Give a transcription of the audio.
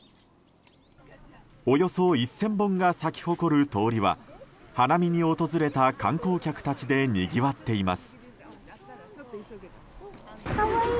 およそ１０００本が咲き誇る通りは花見に訪れた観光客たちでにぎわっています。